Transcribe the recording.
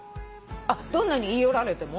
どんなに言い寄られても？